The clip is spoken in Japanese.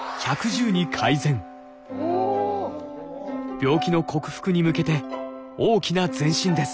病気の克服に向けて大きな前進です。